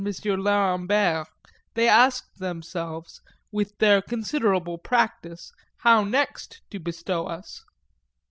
Lerambert, they asked themselves, with their considerable practice, how next to bestow us.